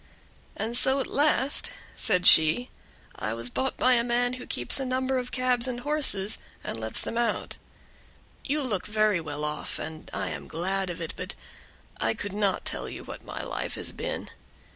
"And so at last," said she, "I was bought by a man who keeps a number of cabs and horses, and lets them out. You look well off, and I am glad of it, but I could not tell you what my life has been.